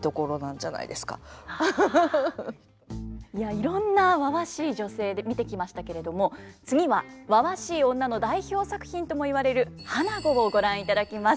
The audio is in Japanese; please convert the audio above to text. いろんなわわしい女性で見てきましたけれども次はわわしい女の代表作品とも言われる「花子」をご覧いただきます。